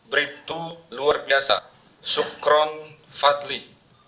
bribtu luar biasa sukron fadli